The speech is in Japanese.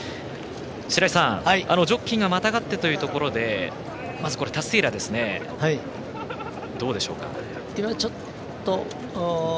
白井さん、ジョッキーがまたがってというところでまず、タスティエーラどうでしょうか。